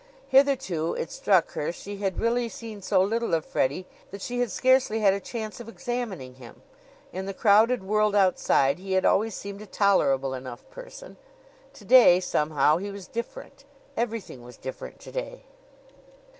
Hitherto, it struck her, she had really seen so little of Freddie that she had scarcely had a chance of examining him. In the crowded world outside he had always seemed a tolerable enough person. To day, somehow, he was different. Everything was different to day.